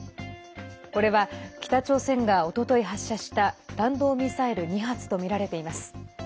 これは北朝鮮がおととい発射した弾道ミサイル２発とみられています。